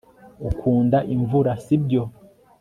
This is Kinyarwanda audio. ukunda imvura, sibyo